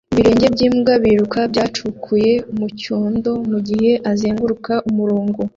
Ibirenge byimbwa biruka byacukuye mucyondo mugihe azenguruka umurongo